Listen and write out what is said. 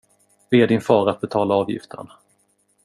Be din far att betala avgiften.